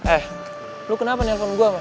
eh lo kenapa nelfon gua mah